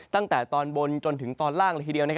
ตั้งแต่ตอนบนจนถึงตอนล่างละทีเดียว